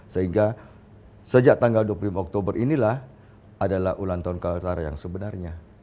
sehingga sejak tanggal dua puluh lima oktober inilah adalah ulang tahun kalimantan utara yang sebenarnya